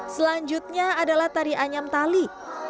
selanjutnya adalah tari anyam tali